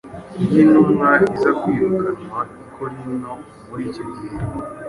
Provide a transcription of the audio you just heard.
Iyo intumwa iza kwirukanwa i Korinto muri icyo gihe,